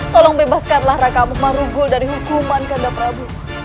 tolong bebaskanlah raka amuk marugol dari hukuman kandaprabu